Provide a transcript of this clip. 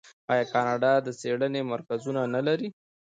آیا کاناډا د څیړنې مرکزونه نلري؟